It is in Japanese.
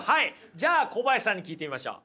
じゃあ小林さんに聞いてみましょう。